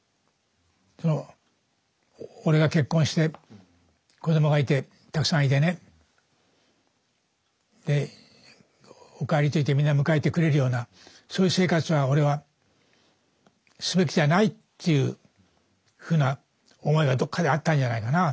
俺が結婚して子供がいてたくさんいてねで「お帰り」と言ってみんな迎えてくれるようなそういう生活は俺はすべきじゃないっていうふうな思いがどっかであったんじゃないかな。